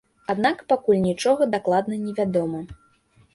Аднак пакуль нічога дакладна невядома.